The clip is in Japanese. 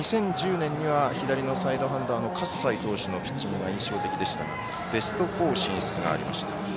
２０１０年には左のサイドハンドのかっさいの投手ピッチングが印象的でしたがベスト４進出がありました。